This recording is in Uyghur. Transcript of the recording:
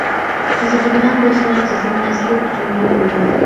قىزىقىدىغان دوستلار تېزدىن ئەسلى ئۇچۇرنى كۆرۈڭ.